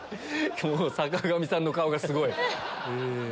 坂上さんの顔がすごい。